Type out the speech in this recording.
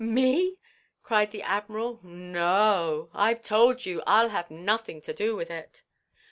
"Me!" cried the Admiral. "No!—I've told you: I 'll have nothing to do with it!"